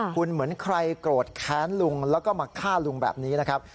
คุณเหมือนใครโกรธแค้นลุงแล้วก็มาฆ่าลุงแบบนี้นะครับ